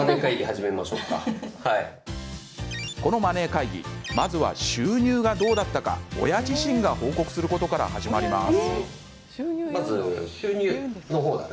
このマネー会議まずは収入がどうだったか親自身が報告することから始まります。